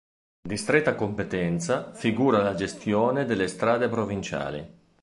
Di stretta competenza figura la gestione delle strade provinciali.